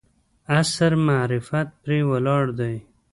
عصر معرفت پرې ولاړ دی.